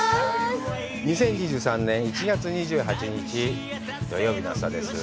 ２０２３年１月２８日、土曜日の朝です。